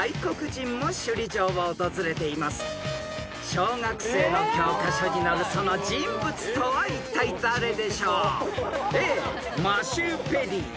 ［小学生の教科書に載るその人物とはいったい誰でしょう？］